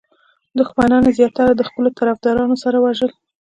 دښمنان یې زیاتره د خپلو طرفدارانو سره وژل.